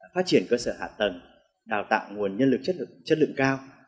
phát triển cơ sở hạ tầng đào tạo nguồn nhân lực chất lượng cao